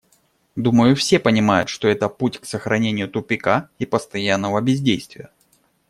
Думаю, все понимают, что это путь к сохранению тупика и постоянного бездействия.